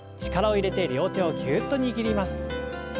力を入れて両手をぎゅっと握ります。